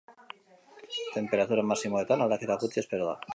Tenperatura maximoetan aldaketa gutxi espero da.